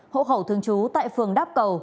hộ khẩu thương chú tại phường đáp cầu